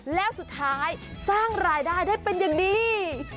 แล้วสุดท้ายสร้างรายได้ได้เป็นอย่างดี